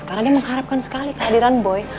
karena dia mengharapkan sekali kehadiran boy